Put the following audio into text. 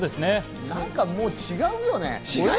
なんか、もう違うよね。